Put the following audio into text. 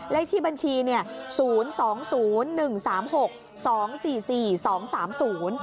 เลขที่บัญชีเนี่ยศูนย์สองศูนย์หนึ่งสามหกสองสี่สี่สองสามศูนย์